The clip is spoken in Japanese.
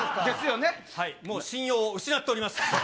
もう信用を失っております。